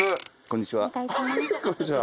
こんにちは。